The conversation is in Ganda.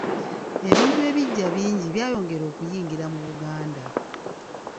Ebintu ebiggya bingi byayongera okuyingira mu Buganda.